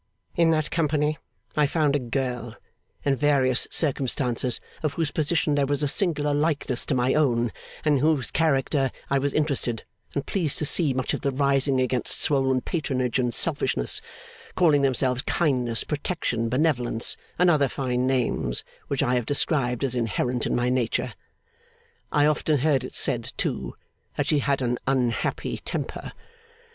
In that company I found a girl, in various circumstances of whose position there was a singular likeness to my own, and in whose character I was interested and pleased to see much of the rising against swollen patronage and selfishness, calling themselves kindness, protection, benevolence, and other fine names, which I have described as inherent in my nature. I often heard it said, too, that she had 'an unhappy temper.